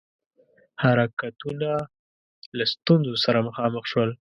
حرکتونه له ستونزو سره مخامخ ول.